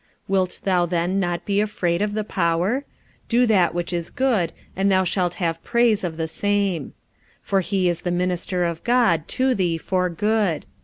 Wilt thou then not be afraid of the power? do that which is good, and thou shalt have praise of the same: 45:013:004 For he is the minister of God to thee for good.